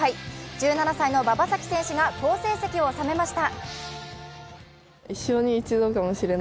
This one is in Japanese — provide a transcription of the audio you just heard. １７歳の馬場咲希選手が好成績を収めました。